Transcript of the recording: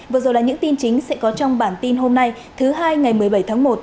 vừa rồi là những tin chính sẽ có trong bản tin hôm nay thứ hai ngày một mươi bảy tháng một